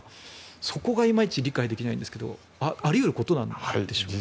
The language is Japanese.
そこがいまいち理解できないんですがあり得ることなんでしょうか？